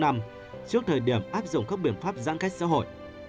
trước thời điểm áp dụng các biện pháp giãn cách xã hội